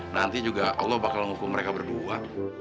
nanti juga allah bakal menghukum mereka berdua